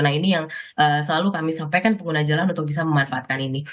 nah ini yang selalu kami sampaikan pengguna jalan untuk bisa memanfaatkan ini